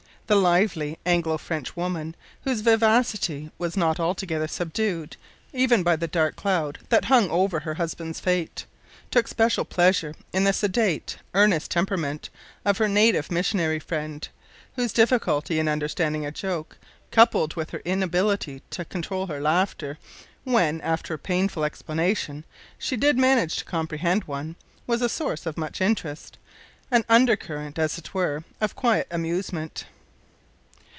The lively Anglo French woman, whose vivacity was not altogether subdued even by the dark cloud that hung over her husband's fate, took special pleasure in the sedate, earnest temperament of her native missionary friend, whose difficulty in understanding a joke, coupled with her inability to control her laughter when, after painful explanation, she did manage to comprehend one, was a source of much interest an under current, as it were, of quiet amusement.